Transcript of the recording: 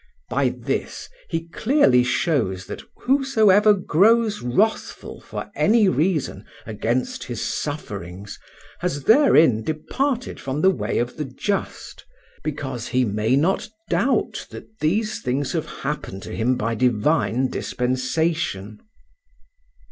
By this he clearly shows that whosoever grows wrathful for any reason against his sufferings has therein departed from the way of the just, because he may not doubt that these things have happened to him by divine dispensation.